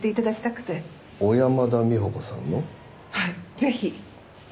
はいぜひ！